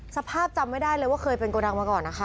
สภาพจำไม่ได้เลยว่าเคยเป็นโกดังมาก่อนนะคะ